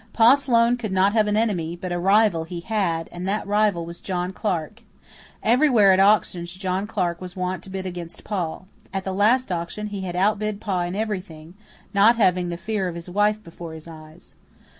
Pa Sloane could not have an enemy; but a rival he had, and that rival was John Clarke. Everywhere at auctions John Clarke was wont to bid against Pa. At the last auction he had outbid Pa in everything, not having the fear of his wife before his eyes.